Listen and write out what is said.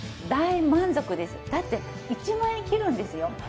大満足ですだって１万円切るんですよ。